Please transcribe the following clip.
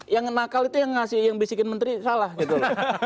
yang nakal itu yang ngasih yang bisikin menteri salah gitu